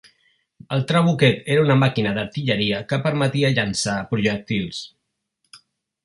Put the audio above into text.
El trabuquet era una màquina d'artilleria que permetia llançar projectils.